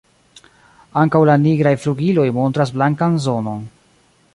Ankaŭ la nigraj flugiloj montras blankan zonon.